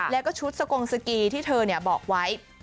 แล้วก็ชุดสกงสกีที่เธอบอกไว้